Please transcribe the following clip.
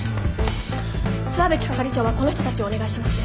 石蕗係長はこの人たちをお願いします。